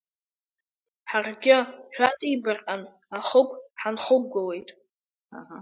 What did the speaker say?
Ҳаргьы хҩаҵибарҟьан, ахықә ҳанхықәгылеит.